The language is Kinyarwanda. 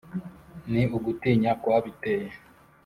ni ugutinya kwabiteye?